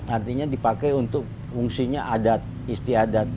artinya dipakai untuk fungsinya adat istiadat